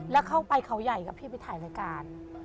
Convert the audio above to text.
แล้วเข้าไปเขาใหญ่กับพี่ไปถ่ายรายการ